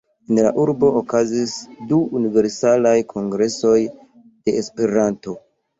En la urbo okazis du Universalaj Kongresoj de Esperanto.